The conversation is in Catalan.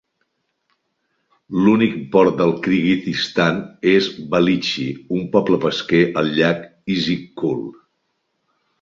L'únic port del Kirguizistan és Balykchy, un poble pesquer al llac Issyk Kul.